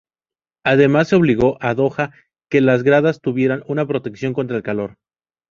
Además se obligó a Doha que las gradas tuvieran una protección contra el calor.